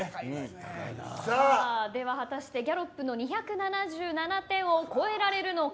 では果たしてギャロップの２７７点を超えられるのか。